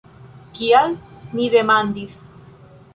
Kial? mi demandis.